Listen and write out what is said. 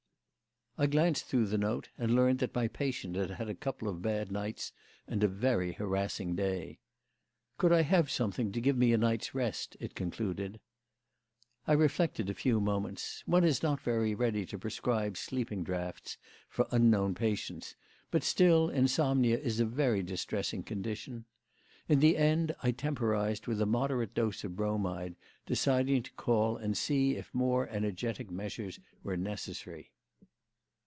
I glanced through the note and learned that my patient had had a couple of bad nights and a very harassing day. "Could I have something to give me a night's rest?" it concluded. I reflected a few moments. One is not very ready to prescribe sleeping draughts for unknown patients, but still, insomnia is a very distressing condition. In the end, I temporised with a moderate dose of bromide, deciding to call and see if more energetic measures were necessary.